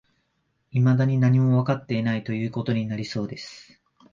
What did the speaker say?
未だに何もわかっていない、という事になりそうです